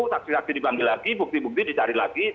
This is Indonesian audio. taksil taksil dibangun lagi bukti bukti dicari lagi